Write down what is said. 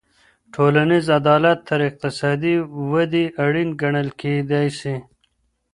ټولنیز عدالت تر اقتصادي ودي اړین ګڼل کېدای سي.